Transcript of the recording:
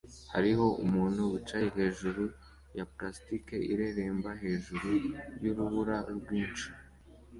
Hariho umuntu wicaye hejuru ya plastike ireremba hejuru yurubura rwinshi